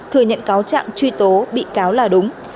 thừa nhận cáo trạng truy tố bị cáo là đúng